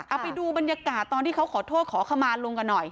เอาไปดูบรรยากาศตอนที่เขาขอโทษขอขมาลุงกันหน่อย